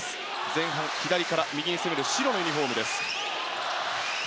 前半、左から右に攻める白のユニホームです。